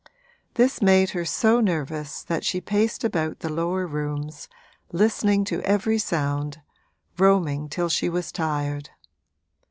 This made her so nervous that she paced about the lower rooms, listening to every sound, roaming till she was tired.